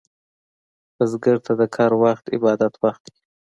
بزګر ته د کر وخت عبادت وخت دی